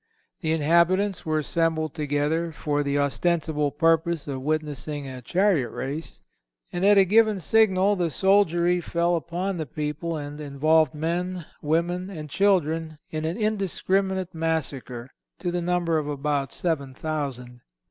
The inhabitants were assembled together for the ostensible purpose of witnessing a chariot race, and at a given signal the soldiery fell upon the people and involved men, women and children in an indiscriminate massacre, to the number of about seven thousand.